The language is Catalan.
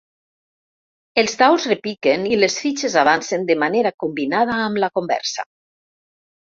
Els daus repiquen i les fitxes avancen de manera combinada amb la conversa.